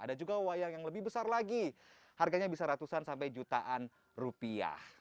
ada juga wayang yang lebih besar lagi harganya bisa ratusan sampai jutaan rupiah